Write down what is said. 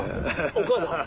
お母さん？